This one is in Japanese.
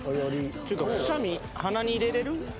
「ちゅうかくしゃみ鼻に入れれる？」